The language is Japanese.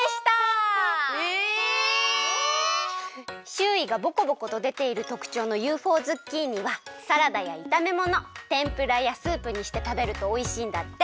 しゅういがぼこぼことでているとくちょうのＵＦＯズッキーニはサラダやいためものてんぷらやスープにしてたべるとおいしいんだって！